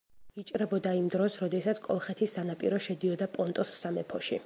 იჭრებოდა იმ დროს, როდესაც კოლხეთის სანაპირო შედიოდა პონტოს სამეფოში.